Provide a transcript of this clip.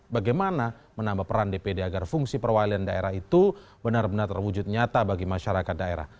bagaimana menambah peran dpd agar fungsi perwakilan daerah itu benar benar terwujud nyata bagi masyarakat daerah